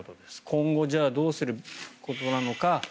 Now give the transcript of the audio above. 今後、じゃあどうすることなのか。